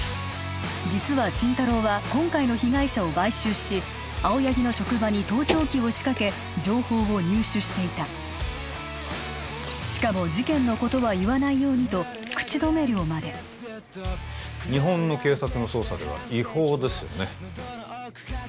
実は心太朗は今回の被害者を買収し青柳の職場に盗聴器を仕掛け情報を入手していたしかも事件のことは言わないようにと口止め料まで日本の警察の捜査では違法ですよね